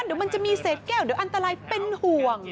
เดี๋ยวมันจะมีเศษแก้วเดี๋ยวอันตรายเป็นห่วง